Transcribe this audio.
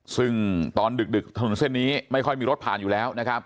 ซึ่งตอนดึกถนนเส้นนี้ไม่ค่อยมีรถผ่านอยู่แล้วนะครับ